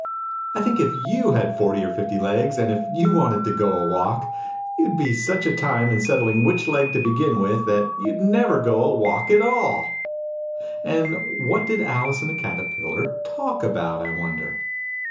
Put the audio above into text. I think, if you had forty or fifty legs, and if you wanted to go a walk, you'd be such a time in settling which leg to begin with, that you'd never go a walk at all ! Digitized by Google 28 THE NURSERY ALICE. «( it And what did Alice and the Caterpillar talk about, I wonder